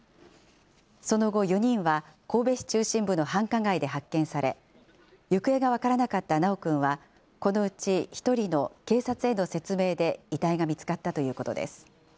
その後、４人は神戸市中心部の繁華街で発見され、行方が分からなかった修くんは、このうち１人の警察への説明で遺体が見つかったということです。